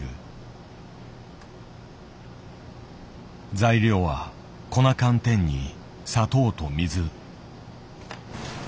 材料は粉寒天に砂糖と水。